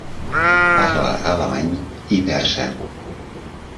Parla alemany i persa.